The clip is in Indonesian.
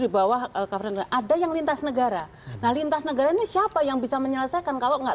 di bawah karantina ada yang lintas negara nah lintas negara ini siapa yang bisa menyelesaikan kalau nggak